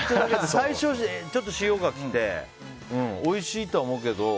最初、塩が来ておいしいとは思うけど。